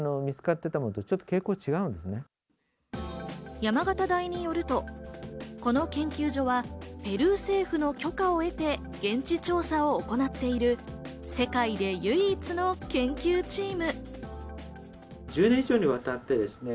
山形大によると、この研究所はペルー政府の許可を得て現地調査を行っている世界で唯一の研究チーム。